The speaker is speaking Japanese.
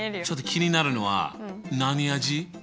ちょっと気になるのは何味？